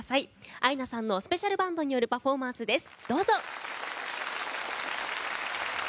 アイナさんのスペシャルバンドによるパフォーマンスです。